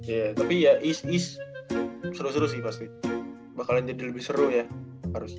ya tapi ya is is seru seru sih pasti bakalan jadi lebih seru ya harusnya